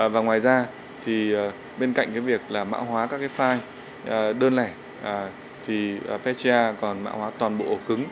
và ngoài ra bên cạnh mạo hóa các file đơn lẻ thì petya còn mạo hóa toàn bộ cứng